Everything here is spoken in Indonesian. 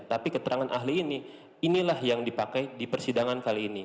tapi keterangan ahli ini inilah yang dipakai di persidangan kali ini